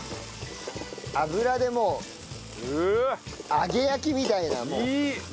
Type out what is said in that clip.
油でもう揚げ焼きみたいな。